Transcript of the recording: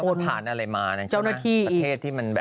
ก็ไม่ผ่านอะไรมานะใช่ไหมครับประเทศที่มันแบบ๘๐๐